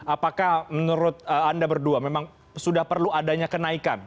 apakah menurut anda berdua memang sudah perlu adanya kenaikan